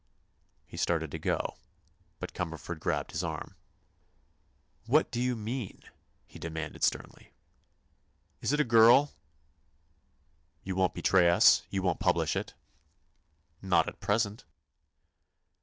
He started to go, but Cumberford grabbed his arm. "What do you mean?" he demanded sternly. "Is it a girl?" "You won't betray us? You won't publish it?" "Not at present."